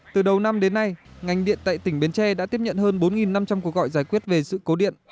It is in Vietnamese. từ đầu năm đến nay ngành điện tại tỉnh bến tre đã tiếp nhận hơn bốn năm trăm linh cuộc gọi giải quyết về sự cố điện